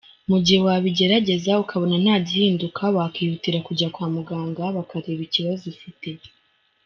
Mu gihe wabigerageza ukabona nta gihinduka wakihutira kujya kwa muganga bakareba ikibazo ufite.